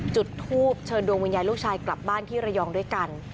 จุดทูปเชิญดวงวิญญาณลูกชายกลับบ้านที่ระยองด้วยกัน